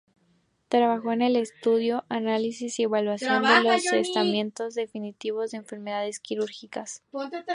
Trabajó en el estudio, análisis y evaluación de los tratamientos definitivos de enfermedades quirúrgicas.